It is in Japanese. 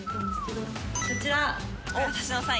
こちら。